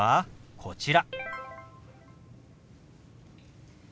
こちら。